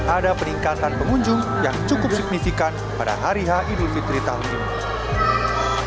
ada peningkatan pengunjung yang cukup signifikan pada hari h idul fitri tahun ini